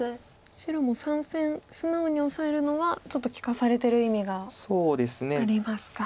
白も３線素直にオサえるのはちょっと利かされてる意味がありますか。